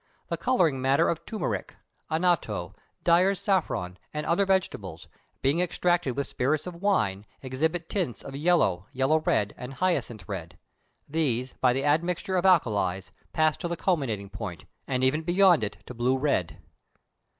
The colouring matter of turmeric, annotto, dyer's saffron, and other vegetables, being extracted with spirits of wine, exhibits tints of yellow, yellow red, and hyacinth red; these, by the admixture of alkalis, pass to the culminating point, and even beyond it to blue red.